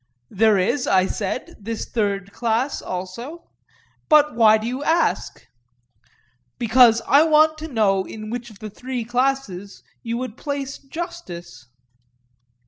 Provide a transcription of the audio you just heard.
There is, I said, this third class also. But why do you ask? Because I want to know in which of the three classes you would place justice?